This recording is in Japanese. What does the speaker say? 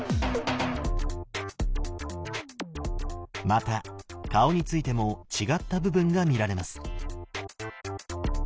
また顔についても違った部分が見られます。